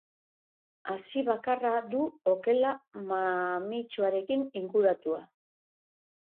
Hazi bakarra du okela mamitsuarekin inguratua.